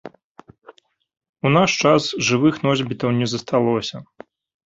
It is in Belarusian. У наш час жывых носьбітаў не засталося.